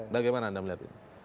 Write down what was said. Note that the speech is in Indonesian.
bagaimana anda melihat ini